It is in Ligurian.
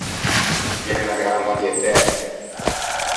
Ghe n’é unna gran varietæ.